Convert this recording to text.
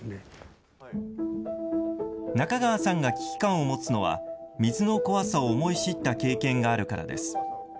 中川さんが危機感を持つのは水の怖さを思い知った経験があるからです。